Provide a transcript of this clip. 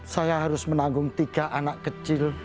saya harus menanggung tiga anak kecil